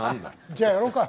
じゃあやろうか。